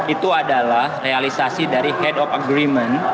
itu adalah realisasi dari head of agreement